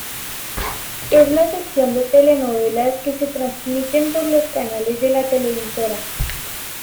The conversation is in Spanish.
Es la sección de telenovelas que se transmiten por los canales de la televisora.